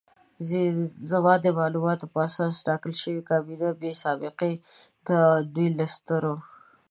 زما د معلوماتو په اساس ټاکل شوې کابینه بې سابقې ده، دوی له سترو